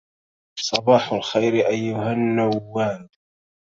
صباح الخير، أيها النوّام.